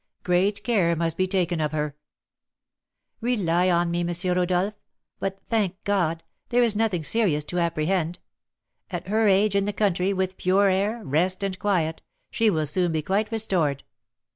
Great care must be taken of her." "Rely on me, M. Rodolph; but, thank God! there is nothing serious to apprehend. At her age, in the country, with pure air, rest, and quiet, she will soon be quite restored."